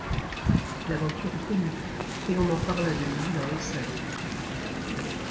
L’aventure est connue et l’on en parla de lui dans les salons.